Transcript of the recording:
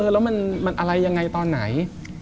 แล้วมันอะไรยังไงตอนไหน